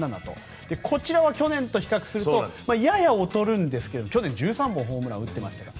こちらは去年と比較するとやや劣るんですが去年１３本ホームランを打っていましたから。